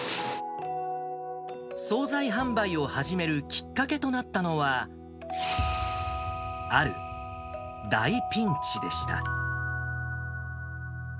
総菜販売を始めるきっかけとなったのは、ある大ピンチでした。